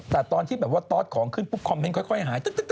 แต่ตอนที่แบบว่าต๊อตของขึ้นคอมเมนต์ค่อยหาย